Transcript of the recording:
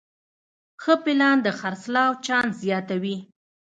ښه پلان د خرڅلاو چانس زیاتوي.